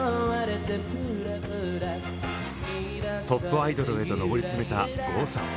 トップアイドルへと上り詰めた郷さん。